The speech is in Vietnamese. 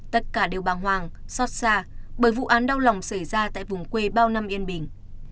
tất cả đều bàng hoàng xót xa bởi vụ án đau lòng xảy ra tại vùng quê bao năm yên bình